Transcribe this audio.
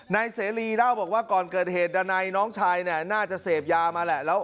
นายเสรีเล่าบอกว่าก่อนเกิดเหตุดนัยน้องชายน่าจะเสพยามาแล้ว